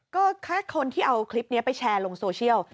ก็แค่คนที่เอาคลิปนี้ไปแชร์ลงโซเชียล